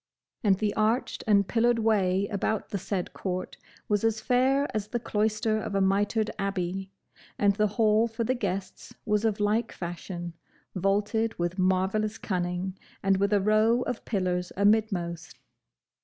And the arched and pillared way about the said court was as fair as the cloister of a mitred abbey; and the hall for the guests was of like fashion, vaulted with marvellous cunning, and with a row of pillars amidmost.